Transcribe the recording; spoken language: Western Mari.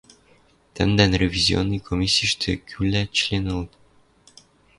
Тӓмдӓн ревизионный комиссиштӹ кӱвлӓ член ылыт?